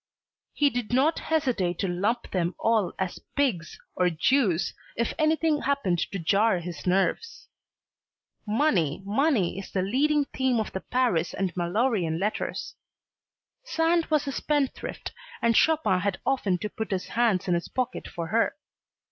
He did not hesitate to lump them all as "pigs" and "Jews" if anything happened to jar his nerves. Money, money, is the leading theme of the Paris and Mallorean letters. Sand was a spendthrift and Chopin had often to put his hands in his pocket for her.